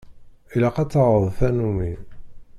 Ilaq ad taɣeḍ tanumi.